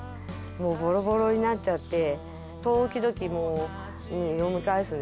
もうボロボロになっちゃって。